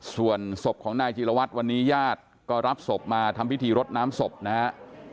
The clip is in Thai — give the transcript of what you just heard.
ส่วนศพของนายจีรวัตรวันนี้ญาติก็รับศพมาทำพิธีรดน้ำศพนะฮะ